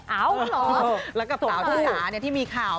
แล้วกับเกี่ยวกับสาวของสาวทะเลที่มีข่าว